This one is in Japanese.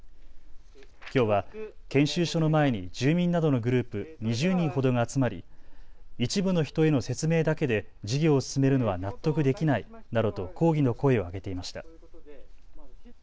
きょうは研修所の前に住民などのグループ２０人ほどが集まり一部の人への説明だけで事業を進めるのは納得できないなどと抗議の声を上げていました。